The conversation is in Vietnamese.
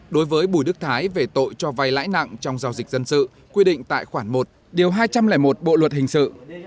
đối với bùi đức thái về tội cho vay lãi nặng trong giao dịch dân sự quy định tại khoản một điều hai trăm linh một bộ luật hình sự